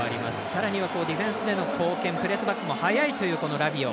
さらにはディフェンスでの貢献プレスバックも速いというラビオ。